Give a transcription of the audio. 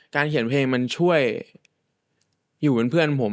เขียนเพลงมันช่วยอยู่เป็นเพื่อนผม